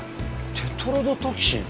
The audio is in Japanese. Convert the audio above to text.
テトロドトキシン？